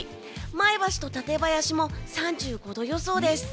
前橋と舘林も３５度予想です。